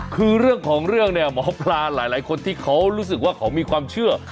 คือเรื่องของเรื่องเนี่ยหมอปลาหลายคนที่เขารู้สึกว่าเขามีความเชื่อ